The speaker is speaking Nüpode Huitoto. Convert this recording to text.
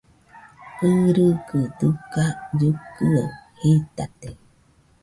ɨgɨgɨ dɨga llɨkɨaɨ jitate